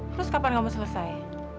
terus kapan kamu selesai